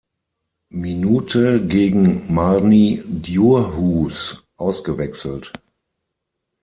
Minute gegen Marni Djurhuus ausgewechselt.